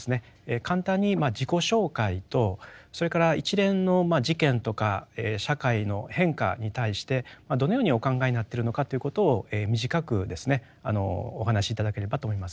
簡単に自己紹介とそれから一連の事件とか社会の変化に対してどのようにお考えになってるのかということを短くですねお話し頂ければと思います。